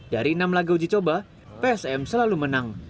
dari enam laga uji coba psm selalu menang